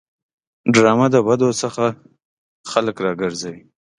ډرامه د بدو څخه خلک راګرځوي